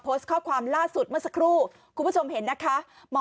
โพสต์ข้อความล่าสุดเมื่อสักครู่คุณผู้ชมเห็นนะคะ